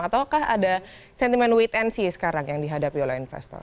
ataukah ada sentimen wait and see sekarang yang dihadapi oleh investor